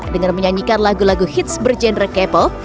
dengan menyanyikan lagu lagu hits berjenre k pop